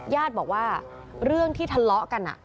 ญาติบอกว่าเรื่องที่ทะเลาะกัน